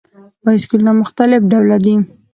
بایسکلونه مختلف ډوله دي.